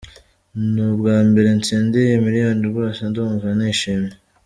Ni ubwa mbere ntsindiye miliyoni rwose, ndumva nishimye.